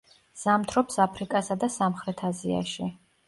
ზამთრობს აფრიკასა და სამხრეთ აზიაში.